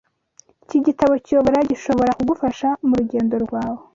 Iki gitabo kiyobora gishobora kugufasha murugendo rwawe.